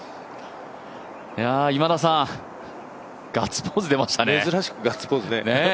今田さん、ガッツポーズ出ましたね。